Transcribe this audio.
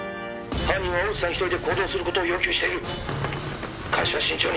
「犯人は大内さん１人で行動する事を要求している！」「監視は慎重に！」